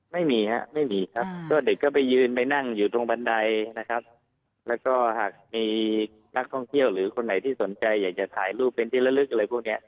ไม่มีครับไม่มีครับก็เด็กก็ไปยืนไปนั่งอยู่ตรงบันไดนะครับแล้วก็หากมีนักท่องเที่ยวหรือคนไหนที่สนใจอยากจะถ่ายรูปเป็นที่ละลึกอะไรพวกนี้